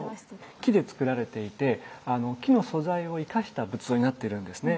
木でつくられていて木の素材を生かした仏像になってるんですね。